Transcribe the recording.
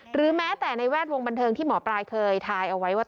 หรือแม้แต่ในแวดวงบันเทิงที่หมอปลายเคยทายเอาไว้ว่า